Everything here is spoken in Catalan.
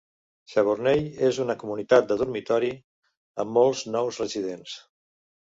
Chavornay és una comunitat de dormitori amb molts nous residents.